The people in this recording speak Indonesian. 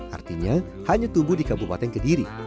artinya hanya tumbuh di kabupaten kediri